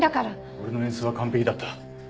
俺の演奏は完璧だった。